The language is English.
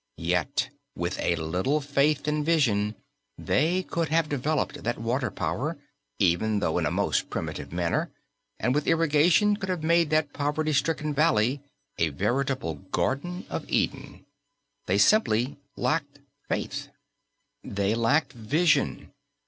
Yet, with a little faith and vision, they could have developed that water power, even though in a most primitive manner, and with irrigation, could have made that poverty stricken valley a veritable Garden of Eden. They simply lacked faith. They lacked vision.